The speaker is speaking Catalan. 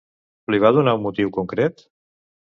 Li va donar un motiu concret?